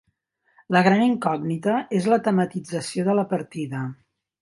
La gran incògnita és la tematització de la partida.